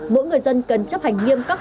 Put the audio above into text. mỗi người dân cần chấp hành nghiêm cấp